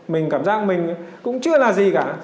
mình cảm giác mình cũng chưa là gì cả